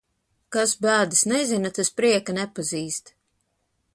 Kas bēdas nezina, tas prieka nepazīst.